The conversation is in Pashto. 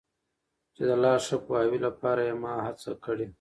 چي د لا ښه پوهاوي لپاره یې ما هڅه کړي.